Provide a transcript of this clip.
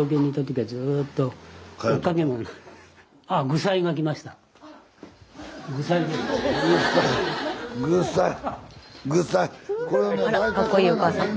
かっこいいお母さん。